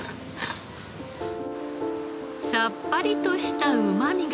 さっぱりとしたうまみが真骨頂！